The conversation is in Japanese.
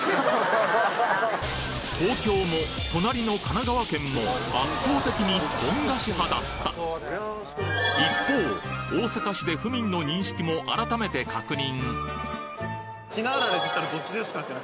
東京も隣の神奈川県も圧倒的にポン菓子派だった一方大阪市で府民の認識もあらためて確認